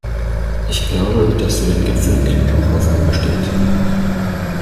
Ich glaube, dass für den Gipfel immer noch Hoffnung besteht.